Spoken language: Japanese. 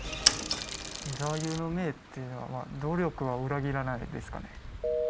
座右の銘っていうのは努力は裏切らないですかね。